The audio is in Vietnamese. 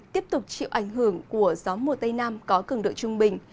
tiếp tục chịu ảnh hưởng của gió mùa tây nam có cường độ trung bình